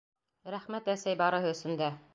Рәхмәт, әсәй, барыһы өсөн дә!